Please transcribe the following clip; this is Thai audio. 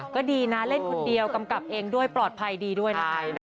ก็ดีนะเล่นคนเดียวกำกับเองด้วยปลอดภัยดีด้วยนะคะ